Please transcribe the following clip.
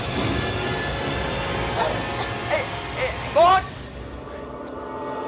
พี่ปุ๊ยดีกว่าช่วยกูด้วย